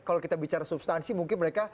kalau kita bicara substansi mungkin mereka